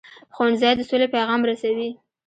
ښوونځی د سولې پیغام رسوي